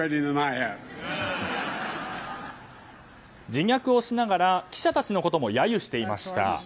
自虐をしながら記者たちのことも揶揄していました。